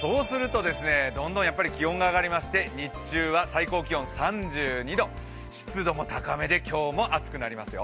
どんどん気温が上がりまして日中は最高気温３２度、湿度も高めで今日も暑くなりますよ。